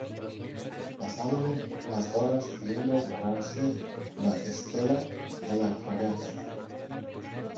pasábame las horas viendo borrarse la estela de la fragata.